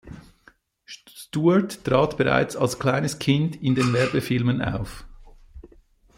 Stuart trat bereits als kleines Kind in den Werbefilmen auf.